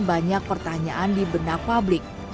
banyak pertanyaan di benak publik